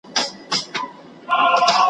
تاسي ځئ ما مي قسمت ته ځان سپارلی ,